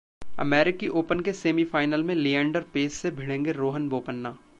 अमेरिकी ओपन के सेमीफाइनल में लिएंडर पेस से भिड़ेंगे रोहन बोपन्ना